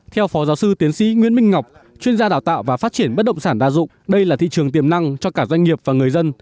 theo phó giáo sư tiến sĩ nguyễn minh ngọc chuyên gia đào tạo và phát triển bất động sản đa dụng đây là thị trường tiềm năng cho cả doanh nghiệp và người dân